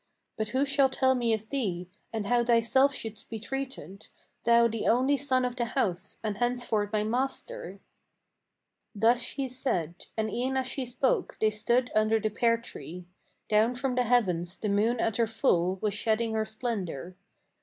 But who shall tell me of thee, and how thyself shouldst be treated, Thou the only son of the house, and henceforth my master?" Thus she said, and e'en as she spoke they stood under the pear tree. Down from the heavens the moon at her full was shedding her splendor.